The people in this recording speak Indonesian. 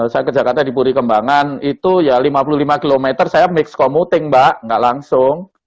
saya ke jakarta di puri kembangan itu ya lima puluh lima km saya mix komuting mbak nggak langsung